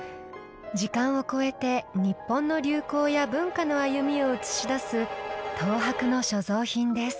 時間を超えて日本の流行や文化の歩みを映し出す東博の所蔵品です。